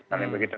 dan lain begitu